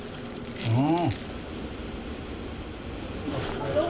うん。